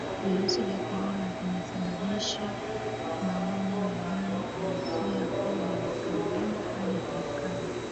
Virusi vya Korona vinasababisha magonjwa yanayoanzia homa ya kawaida hadi homa kali